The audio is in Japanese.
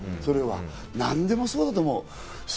何でもそうだと思う。